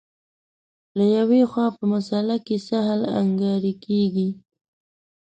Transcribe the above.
له یوې خوا په مسأله کې سهل انګاري کېږي.